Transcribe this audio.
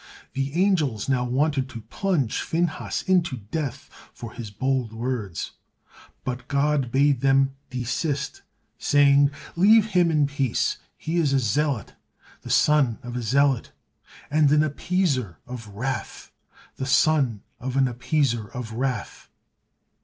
The angels now wanted to plunge Phinehas into death for his bold words, but God bade them desist, saying, "Leave him in peace, he is a zealot, the son of a zealot, and an appeaser of wrath, the son of an appeaser of wrath."